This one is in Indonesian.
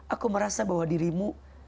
aku merasa bahwa dirimu